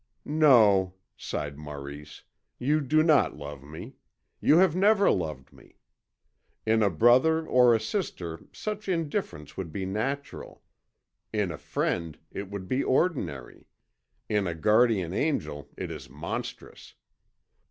"No," sighed Maurice. "You do not love me. You have never loved me. In a brother or a sister such indifference would be natural; in a friend it would be ordinary; in a guardian angel it is monstrous.